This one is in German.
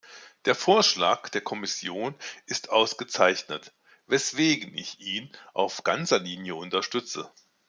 Der Vorschlag der Kommission ist ausgezeichnet, weswegen ich ihn auf ganzer Linie unterstütze.